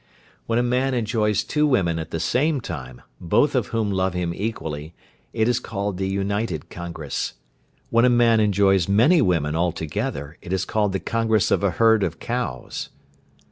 When a man enjoys two women at the same time, both of whom love him equally, it is called the "united congress." When a man enjoys many women altogether, it is called the "congress of a herd of cows."